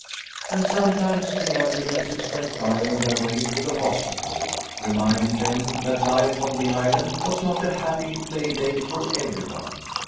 And sometimes the ambulances went by on their way to the hospital, reminding them that life on the island was not a happy play day for every one.